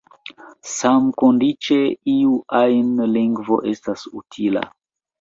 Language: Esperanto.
Samkondiĉe iu ajn lingvo estas utila.